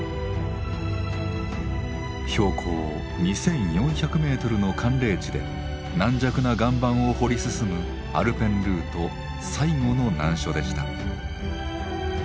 標高２，４００メートルの寒冷地で軟弱な岩盤を掘り進むアルペンルート最後の難所でした。